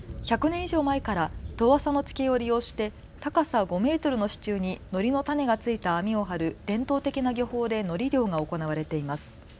以上前から遠浅の地形を利用して高さ５メートルの支柱にのりの種がついた網を張る伝統的な漁法でのり漁が行われています。